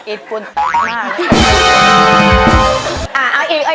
เอาอีกมา